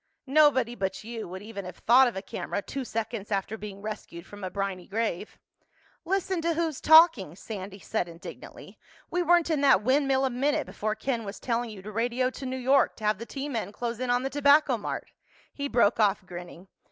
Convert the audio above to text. "Nobody but you would even have thought of a camera two seconds after being rescued from a briny grave." "Listen to who's talking!" Sandy said indignantly. "We weren't in that windmill a minute before Ken was telling you to radio to New York to have the T men close in on the Tobacco Mart." He broke off, grinning.